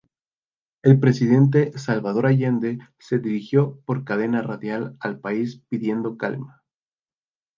El presidente Salvador Allende se dirigió por cadena radial al país pidiendo calma.